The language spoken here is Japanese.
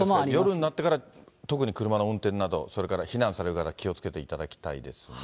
夜になってから特に車の運転など、それから避難される方、気をつけていただきたいですね。